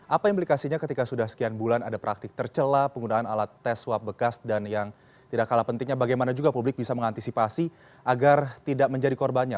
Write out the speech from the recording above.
apa implikasinya ketika sudah sekian bulan ada praktik tercelah penggunaan alat tes swab bekas dan yang tidak kalah pentingnya bagaimana juga publik bisa mengantisipasi agar tidak menjadi korbannya